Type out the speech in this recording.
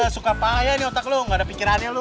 suka payah nih otak lu gak ada pikirannya lu